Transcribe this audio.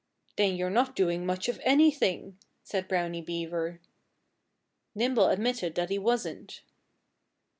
"Then you're not doing much of anything," said Brownie Beaver. Nimble admitted that he wasn't.